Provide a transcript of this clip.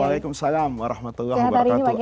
waalaikumsalam warahmatullahi wabarakatuh